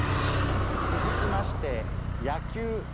続きまして「野球」。